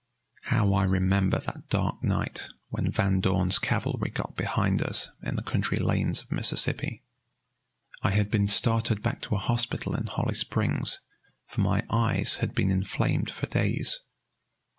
How I remember that dark night when Van Dorn's cavalry got behind us in the country lanes of Mississippi! I had been started back to a hospital in Holly Springs, for my eyes had been inflamed for days.